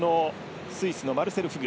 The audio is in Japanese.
スイスのマルセル・フグ。